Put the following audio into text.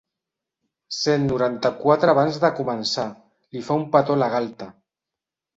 Cent noranta-quatre abans de començar, li fa un petó a la galta.